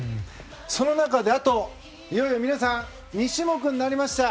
その中で、いよいよ皆さん２種目になりました。